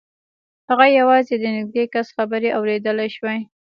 هغه یوازې د نږدې کس خبرې اورېدلای شوې